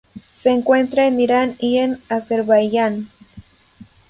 Se encuentra en Irán y en Azerbaiyán.